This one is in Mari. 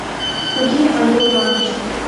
Туге, Андрей Иваныч...